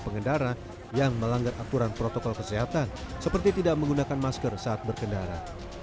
pengendara yang melanggar aturan protokol kesehatan seperti tidak menggunakan masker saat berkendara